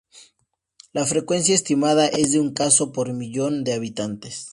La frecuencia estimada es de un caso por millón de habitantes.